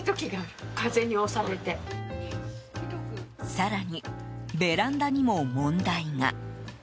更にベランダにも問題が。